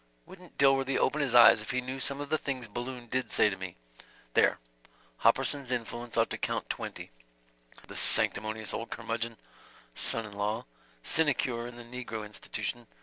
Wouldn't Dilworthy open his eyes if he knew some of the things Balloon did say to me. There .... Hopperson's influence ought to count twenty ... the sanctimonious old curmudgeon. Son in law ... sinecure in the negro institution.